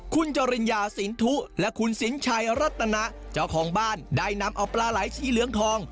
คุณจริญญาสินทุและคุณสินชัยรัตนะเจ้าของบ้านได้นำเอาปลาไหลสีเหลืองทอง